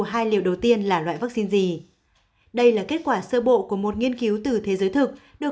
hai liều đầu tiên là loại vaccine gì đây là kết quả sơ bộ của một nghiên cứu từ thế giới thực được